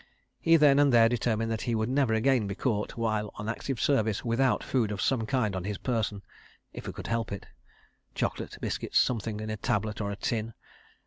... He then and there determined that he would never again be caught, while on Active Service, without food of some kind on his person, if he could help it—chocolate, biscuits, something in a tablet or a tin.